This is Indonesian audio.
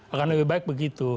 akan lebih baik begitu